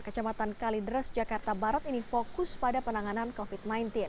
kecamatan kalideres jakarta barat ini fokus pada penanganan covid sembilan belas